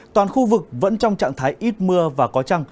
toàn khu vực vẫn trong trạng thái ít mưa và có trăng